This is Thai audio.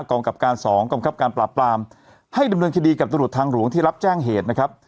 กับการสองกองคับการปราบปรามให้ดำเนินคดีกับตรวจทางหลวงที่รับแจ้งเหตุนะครับ